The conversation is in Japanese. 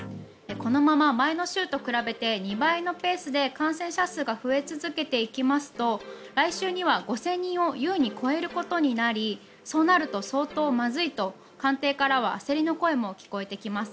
このまま前の週と比べて２倍のペースで感染者数が増え続けていきますと来週には５０００人を優に超えることになりそうなると相当まずいと官邸からは焦りの声も聞こえてきます。